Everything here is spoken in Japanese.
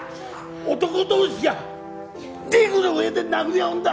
男同士がリングの上で殴り合うんだ！